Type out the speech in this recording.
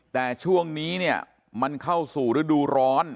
แต่ช่วงนี้เนี่ยมันเข้าสู่ฤดูร้อน